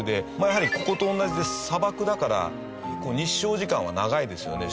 やはりここと同じで砂漠だから日照時間は長いですよね。